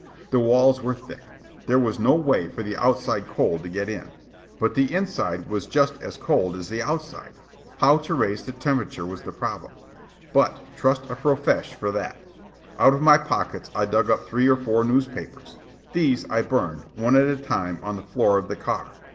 The walls were thick. There was no way for the outside cold to get in. But the inside was just as cold as the outside. How to raise the temperature was the problem. But trust a "profesh" for that. Out of my pockets I dug up three or four newspapers. These I burned, one at a time, on the floor of the car.